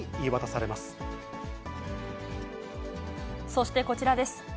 そしてこちらです。